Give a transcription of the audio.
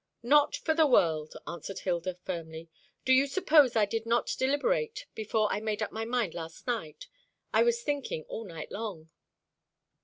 "Not for the world," answered Hilda firmly. "Do you suppose I did not deliberate before I made up my mind last night? I was thinking all night long."